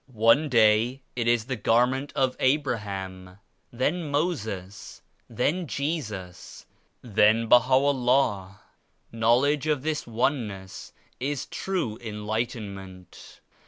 One Day it is the garment of Abraham, then Moses, then Jesus, then BahaVllah. Knowledge of this Oneness is true Enlightenment.